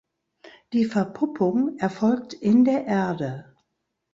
Die Verpuppung erfolgt in der Erde.